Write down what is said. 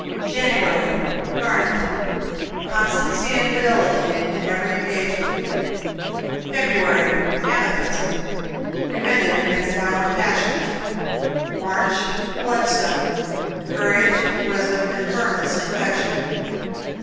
January, Garnet. Constancy and fidelity in every engagement. February, Amethyst Preventive against violent passions. March, Bloodstone Courage, wisdom and firmness in affection.